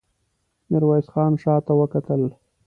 ميرويس خان شاته وکتل.